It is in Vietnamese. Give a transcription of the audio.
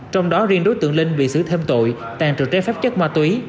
trong đó riêng đối tượng linh bị xử thêm tội tàn trự trái phép chất ma túy